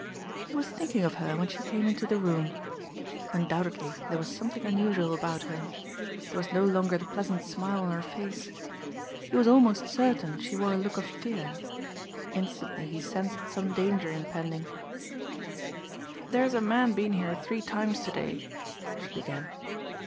He was thinking of her when she came into the room. Undoubtedly there was something unusual about her. There was no longer the pleasant smile on her face. He was almost certain she wore a look of fear. Instantly he sensed some danger impending. "There's a man been here three times to day," she began.